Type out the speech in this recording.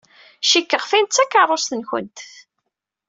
Cikkeɣ tin d takeṛṛust-nwent.